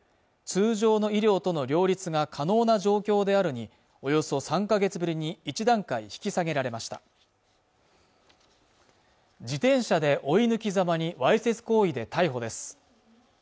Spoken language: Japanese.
通常の医療との両立が可能な状況であるにおよそ３か月ぶりに１段階引き下げられました自転車で追い抜きざまにわいせつ行為で逮捕です